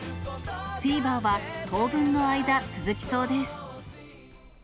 フィーバーは当分の間続きそうです。